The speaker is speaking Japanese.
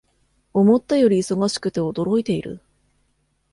思ったより忙しくて驚いている